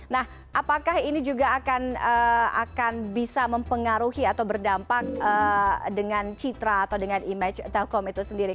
nah apakah ini juga akan bisa mempengaruhi atau berdampak dengan citra atau dengan image telkom itu sendiri